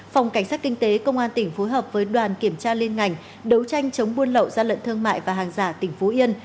phòng cảnh sát kinh tế công an tỉnh phối hợp với đoàn kiểm tra liên ngành đấu tranh chống buôn lậu gian lận thương mại và hàng giả tỉnh phú yên